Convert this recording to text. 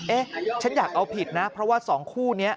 ฉันอยากเอาผิดนะเพราะว่าสองคู่นี้